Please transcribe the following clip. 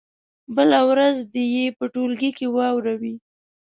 بله ورځ دې یې په ټولګي کې واوروي.